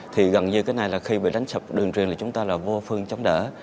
thì gần như cái này là khi bị đánh sập đường trường thì chúng ta là vô phương chống đỡ